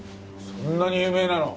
そんなに有名なの？